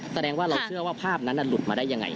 แสดงว่าเราเชื่อว่าภาพนั้นหลุดมาได้ยังไง